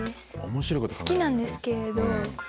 好きなんですけれど。